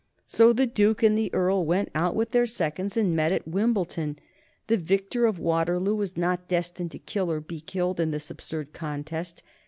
So the Duke and the Earl went out with their seconds and met at Wimbledon. The victor of Waterloo was not destined to kill or be killed in this absurd contest.